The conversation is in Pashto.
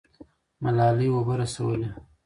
ملالۍ اوبه رسولې.